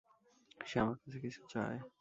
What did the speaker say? সে আমার কাছে কিছু চায়।